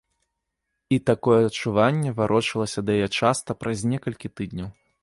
І такое адчуванне варочалася да яе часта праз некалькі тыдняў.